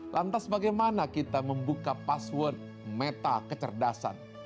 lantas bagaimana kita membuka password meta kecerdasan